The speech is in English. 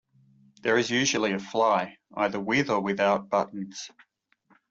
There is usually a fly, either with or without buttons.